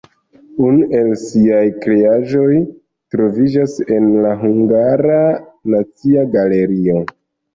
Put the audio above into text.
Unu el ŝiaj kreaĵoj troviĝas en la Hungara Nacia Galerio.